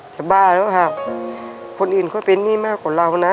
จะบ้าแล้วครับคนอื่นก็เป็นนี่มากกว่าเราน่ะ